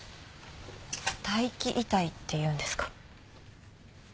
待機遺体っていうんですか。